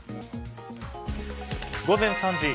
午前３時。